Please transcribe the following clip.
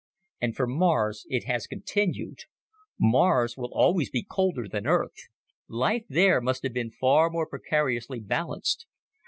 "And for Mars it has continued. Mars was always colder than Earth; life there must have been far more precariously balanced.